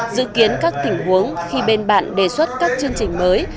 dự kiến các tình huống khi bên bạn đề xuất các chương trình mới